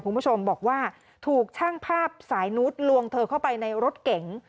คุณผู้ชมบอกว่าถูกช่างภาพสายนุษย์ลวงเธอเข้าไปในรถเก๋ง